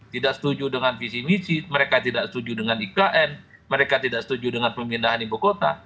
tidak setuju dengan visi misi mereka tidak setuju dengan ikn mereka tidak setuju dengan pemindahan ibu kota